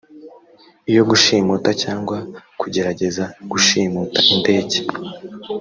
iyo gushimuta cyangwa kugerageza gushimuta indege